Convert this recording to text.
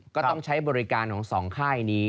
ก็ต้องใช้บริการของสองค่ายนี้